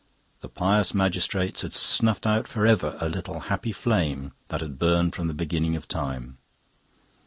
The pious magistrates had snuffed out for ever a little happy flame that had burned from the beginning of time.